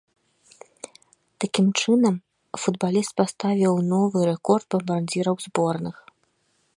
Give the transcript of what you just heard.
Такім чынам, футбаліст паставіў новы рэкорд бамбардзіраў зборных.